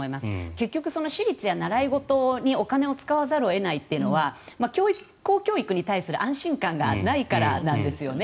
結局、私立や習い事にお金を使わざるを得ないというのは公教育に関する安心感がないからなんですよね。